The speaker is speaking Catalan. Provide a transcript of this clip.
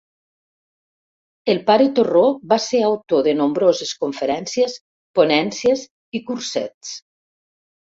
El pare Torró va ser autor de nombroses conferències, ponències i cursets.